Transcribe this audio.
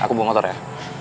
aku buang motor ya